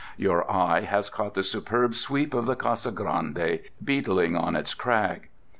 Your eye has caught the superb sweep of the Casa Grande beetling on its crag.